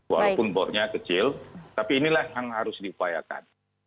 walaupun bornya kecil tapi inilah yang harus diupayakan